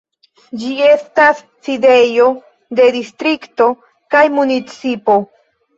Ĝi estas sidejo de distrikto kaj municipo.